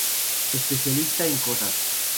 Especialista en cosas.